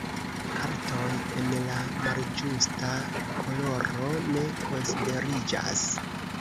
Kartoj en la malĝusta koloro, ne konsideriĝas.